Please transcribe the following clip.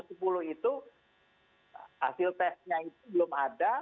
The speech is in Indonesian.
hasil tesnya itu belum ada